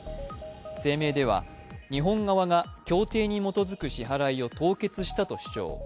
声明では日本側が協定に基づく支払を凍結したと主張。